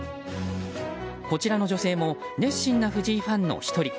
こちらの女性も熱心な藤井ファンの１人。